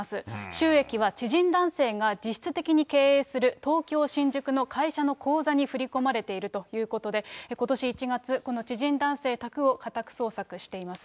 収益は知人男性が、実質的に経営する東京・新宿の会社の口座に振り込まれているということで、ことし１月、この知人男性宅を家宅捜索しています。